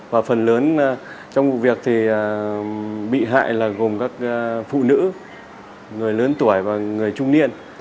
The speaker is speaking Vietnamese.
và phần lớn trong vụ việc thì bị hại là gồm các phụ nữ người lớn tuổi và người trung niên